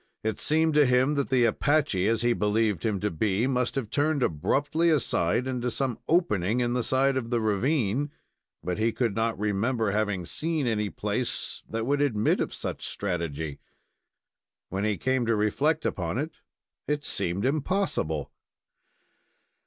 It seemed to him that the Apache, as he believed him to be, must have turned abruptly aside, into some opening in the side of the ravine, but he could not remember having seen any place that would admit of such strategy. When he came to reflect upon it, it seemed impossible.